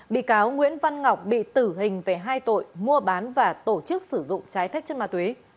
bị cáo nguyễn văn ngọc bị tử hình về hai tội mua bán và tổ chức sử dụng trái phép chất ma túy